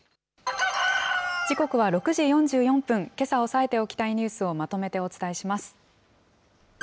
時刻は６時４４分、けさ押さえておきたいニュースをまとめてお伝えします。